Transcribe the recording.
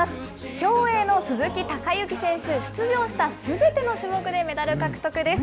競泳の鈴木孝幸選手、出場したすべての種目でメダル獲得です。